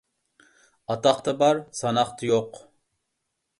ئاتاقتا بار، ساناقتا يوق.